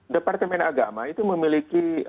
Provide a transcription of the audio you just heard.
departemen agama itu memiliki